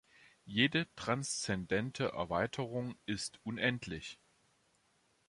Jede transzendente Erweiterung ist unendlich.